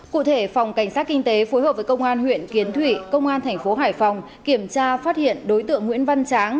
cụ thể phòng cảnh sát kinh tế phối hợp với công an huyện kiến thủy công an thành phố hải phòng kiểm tra phát hiện đối tượng nguyễn văn tráng